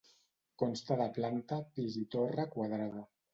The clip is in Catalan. Consta de planta, pis i torre quadrada.